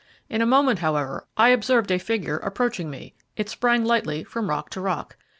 In a moment, however, I observed a figure approaching me it sprang lightly from rock to rock.